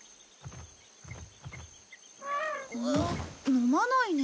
飲まないね。